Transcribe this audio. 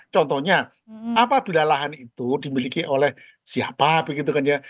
contohnya apabila lahan itu dimiliki oleh siapa begitu kan ya